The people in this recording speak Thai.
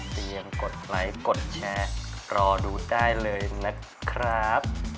เตียงกดไลค์กดแชร์รอดูได้เลยนะครับ